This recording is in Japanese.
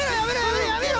やめろやめろ！